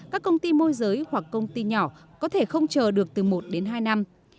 các công ty môi giới hoặc công ty nhỏ có thể không chờ được từ một đến hai năm